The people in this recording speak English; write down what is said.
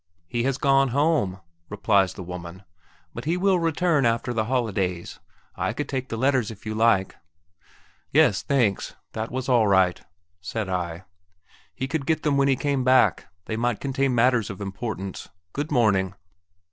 "He has gone home," replies the woman; "but he will return after the holidays. I could take the letters if you like!" "Yes, thanks! that was all right," said I. "He could get them then when he came back; they might contain matters of importance. Good morning."